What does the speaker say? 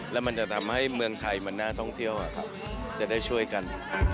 แล้วมันจะทำให้เมืองไทยมันน่าท่องเที่ยวจะได้ช่วยกัน